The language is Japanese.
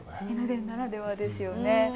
江ノ電ならではですよね。